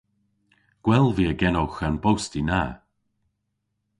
Gwell via genowgh an bosti na.